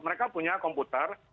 mereka punya komputer